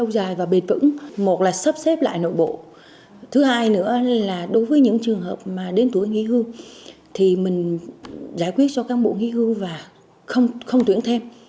đối với những trường hợp mà đến tuổi nghỉ hưu thì mình giải quyết cho các bộ nghỉ hưu và không tuyển thêm